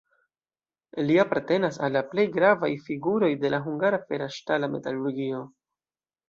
Li apartenas al la plej gravaj figuroj de la hungara fera-ŝtala metalurgio.